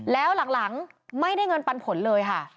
แล้วหลังไม่ได้เงินปันผลเลยค่ะ